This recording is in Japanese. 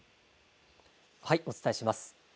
お伝えします。